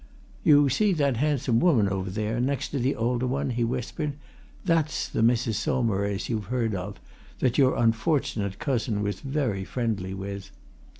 "You see that handsome woman over there next to the older one?" he whispered. "That's the Mrs. Saumarez you've heard of that your unfortunate cousin was very friendly with.